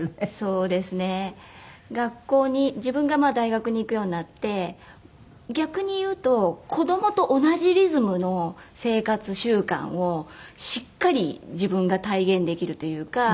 学校に自分が大学に行くようになって逆に言うと子供と同じリズムの生活習慣をしっかり自分が体現できるというか。